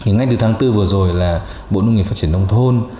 ngay từ tháng bốn vừa rồi là bộ nông nghiệp phát triển nông thôn